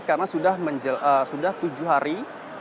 karena sudah tujuh hari